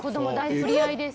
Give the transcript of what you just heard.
取り合いです。